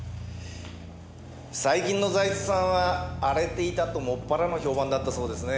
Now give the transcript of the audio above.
最近の財津さんは荒れていたともっぱらの評判だったそうですね。